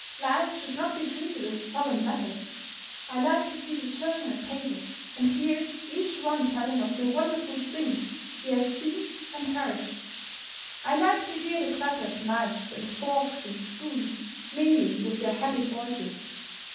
Life should not be treated as a solemn matter. I like to see the children at table, and hear each one telling of the wonderful things he has seen and heard. I like to hear the clatter of knives and forks and spoons mingling with their happy voices.